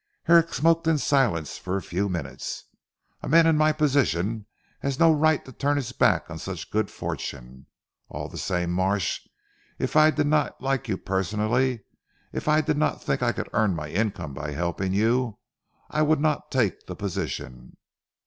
Herrick smoked in silence for a few minutes. "A man in my position has no right to turn his back on such good fortune. All the same Marsh, if I did not like you personally; if I did not think I could earn my income by helping you, I would not take the position."